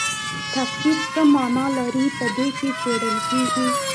تفسیر څه مانا لري په دې کې څیړل کیږي.